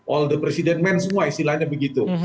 all the president men semua istilahnya begitu